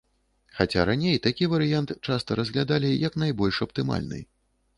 Хаця раней такі варыянт часта разглядалі як найбольш аптымальны.